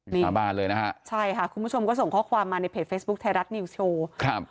สาบานเลยนะฮะคุณผู้ชมก็ส่งข้อความมาในเพจเฟซบุ๊คไทยรัฐนิวส์โชว์